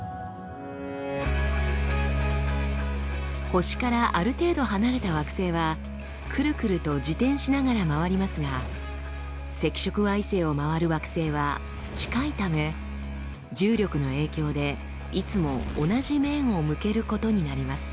星からある程度離れた惑星はクルクルと自転しながら回りますが赤色矮星を回る惑星は近いため重力の影響でいつも同じ面を向けることになります。